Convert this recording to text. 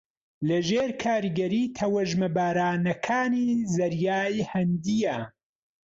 لەژێر کاریگەری تەوژمە بارانەکانی زەریای ھیندییە